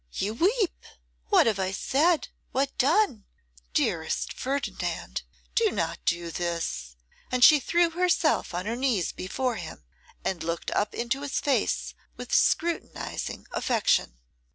you weep! What have I said, what done? Dearest Ferdinand, do not do this.' And she threw herself on her knees before him, and looked up into his face with scrutinising affection.